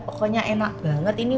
pokoknya enak banget ini